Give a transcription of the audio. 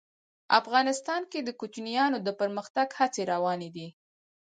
افغانستان کې د کوچیانو د پرمختګ هڅې روانې دي.